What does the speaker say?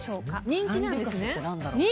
人気なんですね？